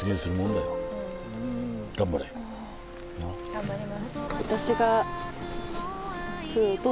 頑張ります。